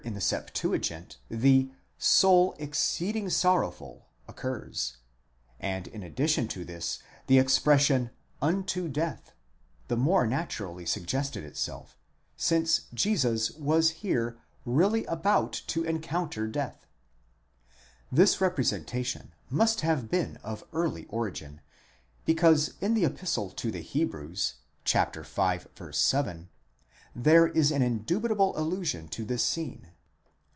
the ψυχὴ περίλυπος (soul exceeding sorrowful) occurs, and in addition to this the expression ἕως θανάτου (unto death) the more naturally suggested itself, since Jesus was here really about to encounter death. This representa tion must have been of early origin, because in the Epistle to the Hebrews (ν. 7) there is an indubitable allusion to this scene.